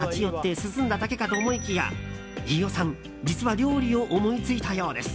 ただ立ち寄って涼んだだけかと思いきや飯尾さん、実は料理を思いついたようです。